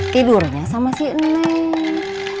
tidurnya sama si nenek